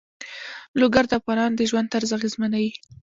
لوگر د افغانانو د ژوند طرز اغېزمنوي.